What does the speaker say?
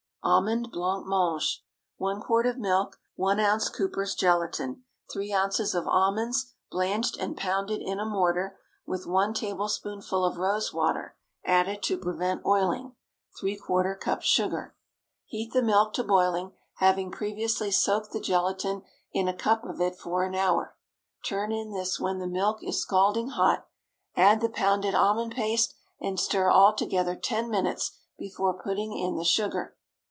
ALMOND BLANC MANGE. ✠ 1 quart of milk. 1 oz. Cooper's gelatine. 3 ozs. of almonds, blanched and pounded in a mortar, with 1 tablespoonful of rose water, added to prevent oiling. ¾ cup sugar. Heat the milk to boiling, having previously soaked the gelatine in a cup of it for an hour. Turn in this when the milk is scalding hot; add the pounded almond paste, and stir all together ten minutes before putting in the sugar.